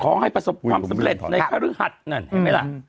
ของให้ประสบความเสร็จในการเรื่องหัตน์นั่นเห็นไหมล่ะ